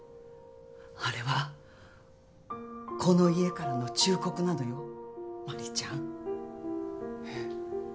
あれはこの家からの忠告なのよ真理ちえっ？